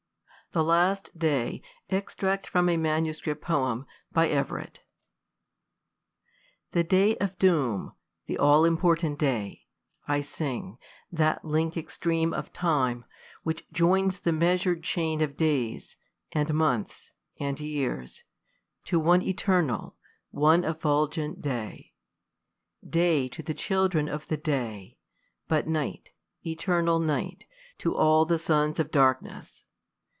The Last Day. Extract from a manuscript Poem. THE day of Doom, the all important day, I sing ; that link extreme of time, which joins The measur'd chain of days, and months, and years, To one eternal, one effulgent day: Day to the children of the day ; but night, Eternal night, to all the sons of darkness.